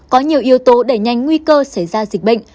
có nhiều yếu tố đẩy nhanh nguy cơ xảy ra dịch bệnh